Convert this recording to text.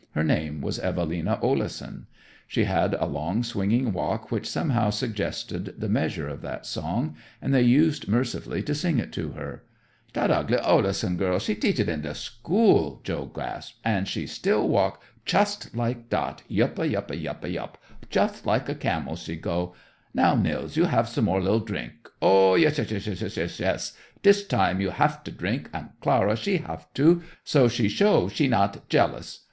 Her name was Evelina Oleson; she had a long, swinging walk which somehow suggested the measure of that song, and they used mercilessly to sing it at her. "Dat ugly Oleson girl, she teach in de school," Joe gasped, "an' she still walk chust like dat, yup a, yup a, yup a, chust like a camel she go! Now, Nils, we have some more li'l drink. Oh, yes yes yes yes yes yes yes! Dis time you haf to drink, and Clara she haf to, so she show she not jealous.